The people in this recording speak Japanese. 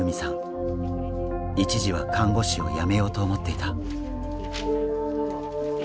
一時は看護師を辞めようと思っていた。